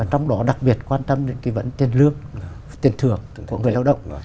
trong đó đặc biệt quan tâm đến cái vấn tiền lương tiền thưởng của người lao động